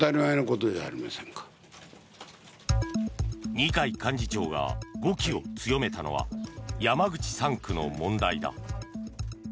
二階幹事長が語気を強めたのは山口３区の問題だ。